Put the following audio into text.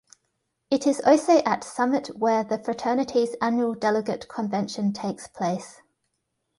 It is also at Summit where the fraternity's annual Delegate Convention takes place.